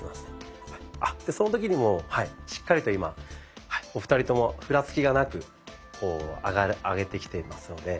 その時にもうしっかりと今お二人ともふらつきがなく上げてきていますので。